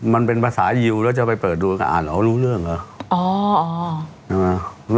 มันเป็นภาษายิวแล้วจะไปเปิดดูอ่าหรอรู้เรื่องเหรออ๋ออ๋อ